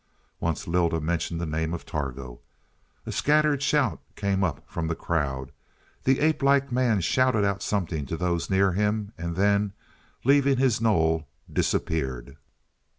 Once Lylda mentioned the name of Targo. A scattered shout came up from the crowd; the apelike man shouted out something to those near him, and then, leaving his knoll disappeared.